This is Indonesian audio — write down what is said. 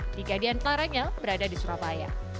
tiga di antaranya berada di surabaya